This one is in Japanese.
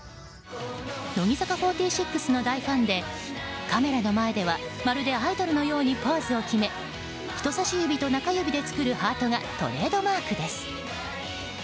乃木坂４６の大ファンでカメラの前ではまるでアイドルのようにポーズを決め人差し指と中指で作るハートがトレードマークです。